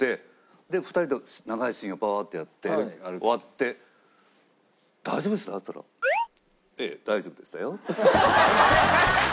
で２人で長いシーンをパーッてやって終わって「大丈夫でした？」って言ったら「ええ大丈夫でしたよ」。